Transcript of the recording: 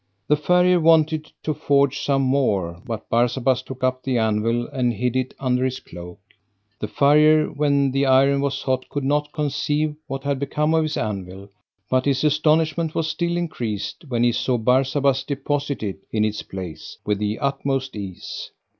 The farrier wanted to forge some more, but Barsabas took up the anvil and hid it under his cloak. The farrier, when the iron was hot, could not conceive what had become of his anvil, but his astonishment was still increased when he saw Barsabas deposit it in its place with the utmost ease.